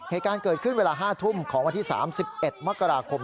เหตุการณ์เกิดขึ้นเวลา๕ทุ่มของวันที่๓๑มกราคม